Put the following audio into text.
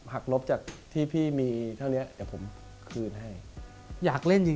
หักลบจากที่พี่มี